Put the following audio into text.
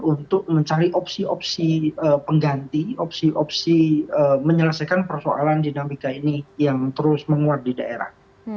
untuk mencari opsi opsi pengganti opsi opsi menyelesaikan persoalan dinamika ini yang terus menguat di daerah